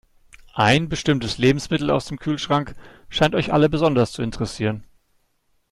Ein bestimmtes Lebensmittel aus dem Kühlschrank scheint euch alle besonders zu interessieren.